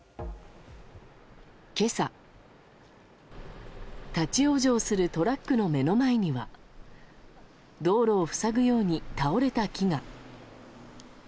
今朝、立ち往生するトラックの目の前には道路を塞ぐように倒れた木が。